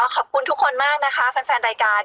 ขอบคุณทุกคนมากนะคะแฟนรายการ